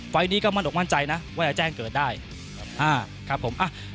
นี้ก็มั่นอกมั่นใจนะว่าจะแจ้งเกิดได้ครับผมอ่ะ